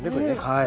はい。